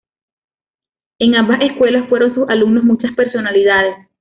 En ambas escuelas fueron sus alumnos muchas personalidades.